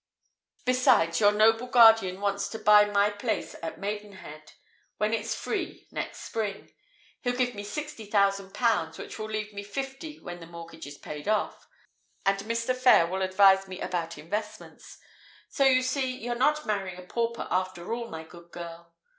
Besides, your noble guardian wants to buy my place at Maidenhead, when it's free, next spring. He'll give sixty thousand pounds, which will leave me fifty when the mortgage is paid off; and Mr. Phayre will advise me about investments. So you see, you're not marrying a pauper after all, my good girl!